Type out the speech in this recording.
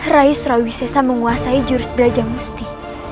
rai surawisasa menguasai jurus belaja musti